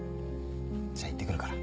じゃあ行ってくるから。